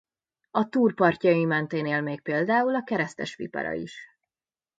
A Túr partjai mentén él még például a keresztes vipera is.